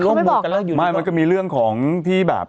เราได้เรื่องของที่แบบ